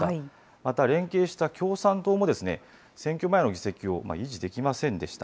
また連携した共産党も、選挙前の議席を維持できませんでした。